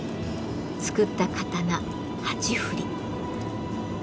作った刀８振り。